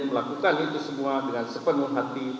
melakukan itu semua dengan sepenuh hati